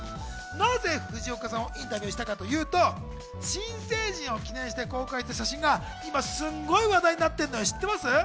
なぜ藤岡さんをインタビューしたかというと、新成人を記念して公開した写真が今、すんごい話題になっているのよ。